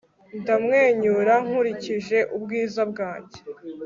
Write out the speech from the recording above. Ndamwenyura nkurikije ubwiza bwanjye